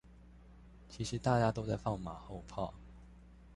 其實大家都在放馬後炮！